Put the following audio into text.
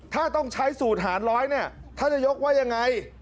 ถ้าต้องใช้สูตรหารร้อยเนี่ยท่านนายกว่ายังไง